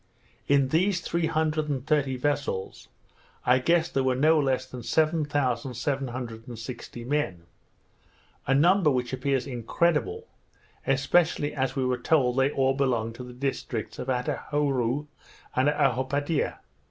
In these three hundred and thirty vessels, I guessed there were no less than seven thousand seven hundred and sixty men; a number which appears incredible, especially as we were told they all belonged to the districts of Attahourou and Ahopatea.